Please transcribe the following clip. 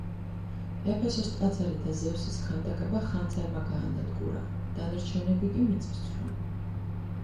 ეფესოს ტაძარი და ზევსის ქანდაკება ხანძარმა გაანადგურა, დანარჩენები კი მიწისძვრამ.